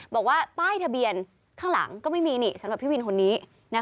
บอกว่าป้ายทะเบียนข้างหลังก็ไม่มีสำหรับพี่วินคนนี้